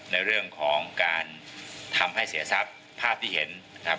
ในเรื่องของการทำให้เสียทรัพย์ภาพที่เห็นนะครับ